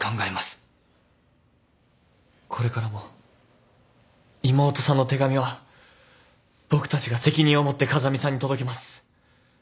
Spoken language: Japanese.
これからも妹さんの手紙は僕たちが責任を持って風見さんに届けます。